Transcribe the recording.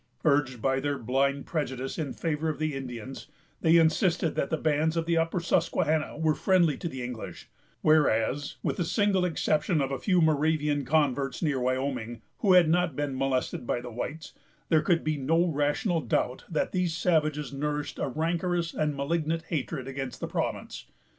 Urged by their blind prejudice in favor of the Indians, they insisted that the bands of the Upper Susquehanna were friendly to the English; whereas, with the single exception of a few Moravian converts near Wyoming, who had not been molested by the whites, there could be no rational doubt that these savages nourished a rancorous and malignant hatred against the province.